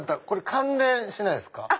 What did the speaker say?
これ感電しないですか？